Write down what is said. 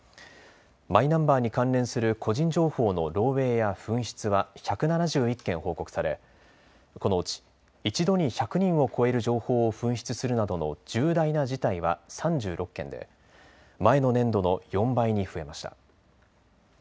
マイナンバーに関連する個人情報の漏えいや紛失は１７１件報告されこのうち一度に１００人を超える情報を紛失するなどの重大な事態は３６件で前の年度の４倍に増えました。